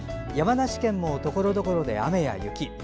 山梨県もところどころで雨や雪。